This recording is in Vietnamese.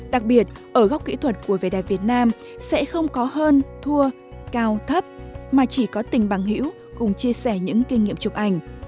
đặc biệt ở góc kỹ thuật của vẻ đẹp việt nam sẽ không có hơn thua cao thấp mà chỉ có tình bằng hữu cùng chia sẻ những kinh nghiệm chụp ảnh